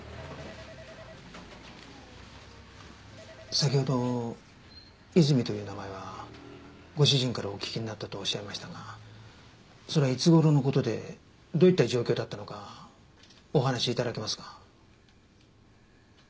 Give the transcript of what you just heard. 先ほど「いずみ」という名前はご主人からお聞きになったとおっしゃいましたがそれはいつ頃の事でどういった状況だったのかお話し頂けますか？